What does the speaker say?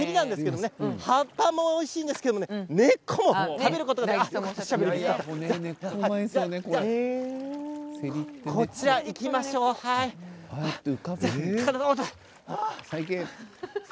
葉っぱもすばらしいんですけれども根っこも食べることができます。